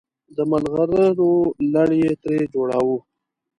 د ملغلرو لړ یې ترې جوړاوه.